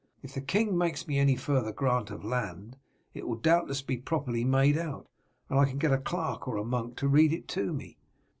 If the king makes me any further grant of land it will be doubtless properly made out, and I can get a clerk or a monk to read it to me.